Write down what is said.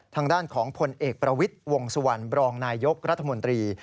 ทางด้านของผลเอกประวิทย์วงสุวรรณบรองนายยกรัฐมนตรี